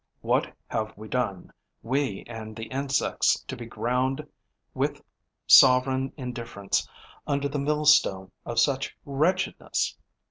What have we done, we and the insects, to be ground with sovran indifference under the mill stone of such wretchedness?